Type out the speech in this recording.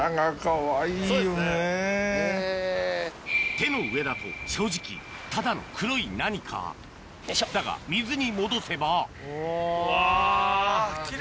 手の上だと正直ただの黒い何かだが水に戻せばうわ。